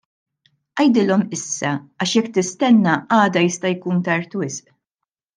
Għidilhom issa, għax jekk tistenna, għada jista' jkun tard wisq!